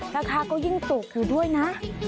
ราคาก็ยิ่งตกอยู่ด้วยนะ